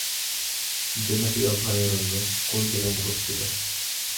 জুনাতি অভয়ারণ্য কোন জেলায় অবস্থিত?